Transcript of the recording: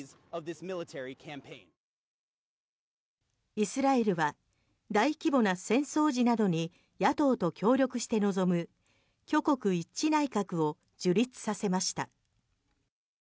イスラエルは大規模な戦争時などに野党と協力して臨む挙国一致内閣を樹立させました。